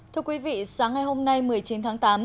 thưa quý vị sáng ngày hôm nay một mươi chín tháng tám